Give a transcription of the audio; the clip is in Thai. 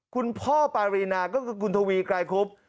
พ่อปารีนาก็คือคุณทวีไกรคุบ